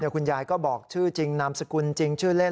คุณยายก็บอกชื่อจริงนามสกุลจริงชื่อเล่น